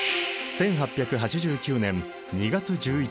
１８８９年２月１１